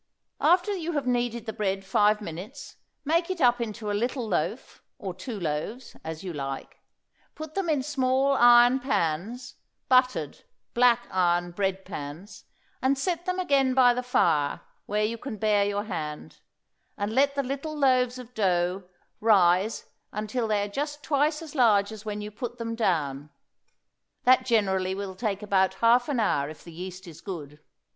After you have kneaded the bread five minutes make it up in a little loaf, or two loaves, as you like; put them in small iron pans, buttered black iron bread pans and set them again by the fire, where you can bear your hand, and let the little loaves of dough rise until they are just twice as large as when you put them down. That generally will take about half an hour if the yeast is good.